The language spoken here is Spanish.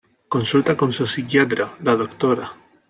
Consulta con su psiquiatra, la Dra.